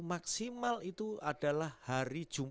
maksimal itu adalah hari jumat